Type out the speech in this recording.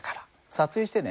撮影してね。